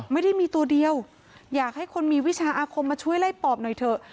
ไม่ได้มีตัวเดียวอยากให้คนมีวิชาอาคมมาช่วยไล่ปอบหน่อยเถอะ